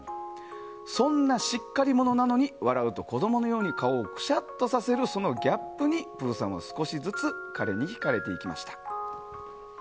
そんなしっかり者なのに笑うと子供のように顔をクシャっとさせるそのギャップにぷぅさんは少しずつ彼に惹かれていきました。